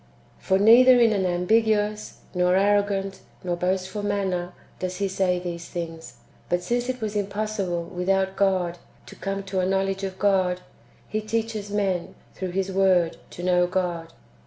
"^ For neither in an ambiguous, nor arrogant, nor boastful manner, does He say these things ; but since it was impossible, without God, to come to a knowledge of God, He teaches men, through His Word, to know God.